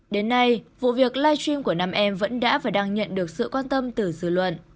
đến nay vụ việc live stream của nam em vẫn đã và đang nhận được sự quan tâm từ dư luận